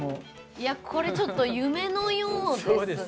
いやこれちょっと夢のようですね。